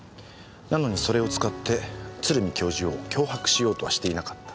なのにそれを使って鶴見教授を脅迫しようとはしていなかった。